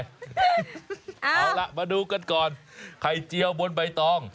เอาล่ะมาดูกันก่อนไข่เจียวบนใบตอง